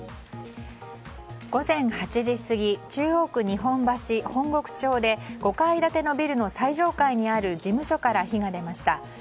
午前８時過ぎ中央区日本橋本石町で５階建てのビルの最上階にある事務所から火が出ました。